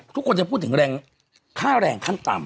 ทุกคนจะพูดถึงแรงค่าแรงขั้นต่ำ